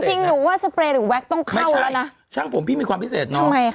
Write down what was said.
จริงหนูว่าสเปรย์หรือแว็กซต้องเข้าแล้วนะช่างผมพี่มีความพิเศษเนอะ